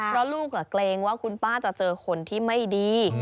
เพราะลูกเกรงว่าคุณป้าจะเจอคนที่ไม่ดี